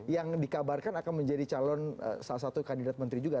yang dikabarkan akan menjadi calon salah satu kandidat menteri juga